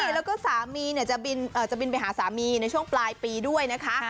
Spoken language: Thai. แล้วก็สามีจะบินไปหาสามีในช่วงปลายปีด้วยนะคะ